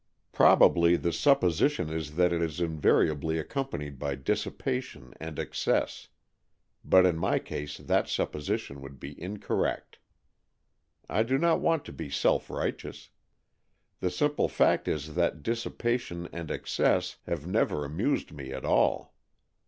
Probably the supposition is that it is invari ably accompanied by dissipation and excess, but in my case that supposition would be incorrect. I do not want to be self righteous. The simple fact is that dissipa tion and excess have never amused me at all.